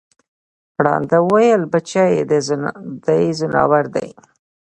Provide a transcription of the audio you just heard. ړانده وویل بچی د ځناور دی